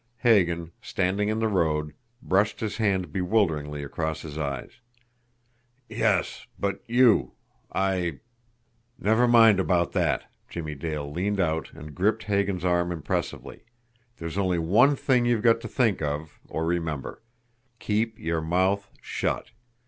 Hagan, standing in the road, brushed his hand bewilderingly across his eyes. "Yes but you I " "Never mind about that!" Jimmie Dale leaned out, and gripped Hagan's arm impressively. "There's only one thing you've got to think of, or remember. Keep your mouth shut!